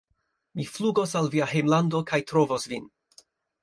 Mi flugos al via hejmlando kaj trovos vin